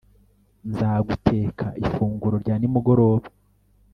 nzaguteka ifunguro rya nimugoroba